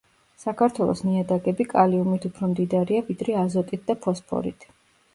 საქართველოს ნიადაგები კალიუმით უფრო მდიდარია ვიდრე აზოტით და ფოსფორით.